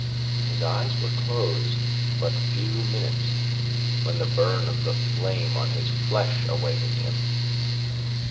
His eyes were closed but few minutes when the burn of the flame on his flesh awakened him.